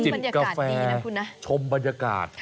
จิบกาแฟชมบรรยากาศ